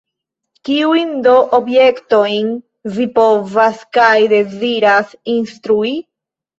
Kiujn do objektojn vi povas kaj deziras instrui?